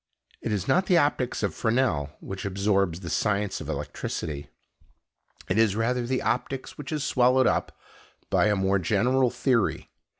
It is not the optics of Fresnel which absorbs the science of electricity, it is rather the optics which is swallowed up by a more general theory.